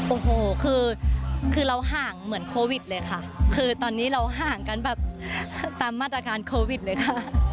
โอ้โหคือคือเราห่างเหมือนโควิดเลยค่ะคือตอนนี้เราห่างกันแบบตามมาตรการโควิดเลยค่ะ